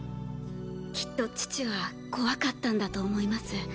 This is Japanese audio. きっと父は怖かったんだと思います。